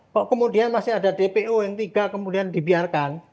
kok kemudian masih ada dpo yang tiga kemudian dibiarkan